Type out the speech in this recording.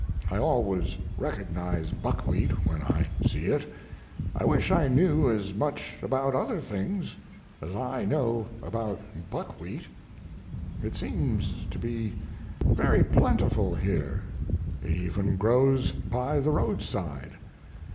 I always recognize buckwheat when I see it. I wish I knew as much about other things as I know about buckwheat. It seems to be very plentiful here; it even grows by the roadside."